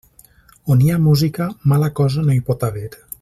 On hi ha música, mala cosa no hi pot haver.